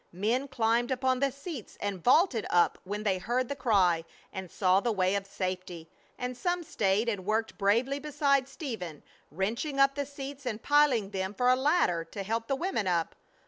Men climbed upon the seats and vaulted up when they heard the cry and saw the way of safety; and some stayed and worked bravely beside Stephen, wrenching up the seats and piling them for a ladder to help the women up.